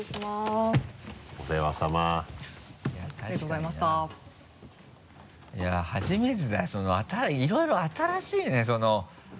いや初めてだいろいろ新しいね。